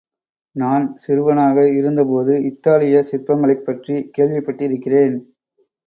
நான் சிறுவனாக இருந்தபோது இத்தாலிய சிற்பங்களைப் பற்றிக் கேள்விப்பட்டிருக்கிறேன்.